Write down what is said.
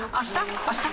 あした？